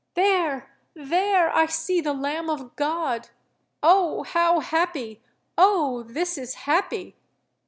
There! there! I see the Lamb of God! Oh! how happy! Oh! this is happy!'